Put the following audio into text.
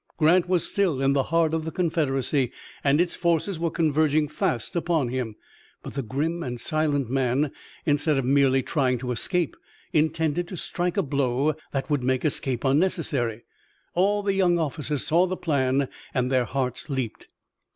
Grant was still in the heart of the Confederacy, and its forces were converging fast upon him. But the grim and silent man, instead of merely trying to escape, intended to strike a blow that would make escape unnecessary. All the young officers saw the plan and their hearts leaped.